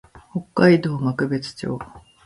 北海道幕別町